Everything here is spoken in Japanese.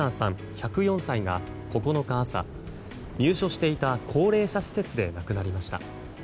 １０４歳が９日朝、入所していた高齢者施設で亡くなりました。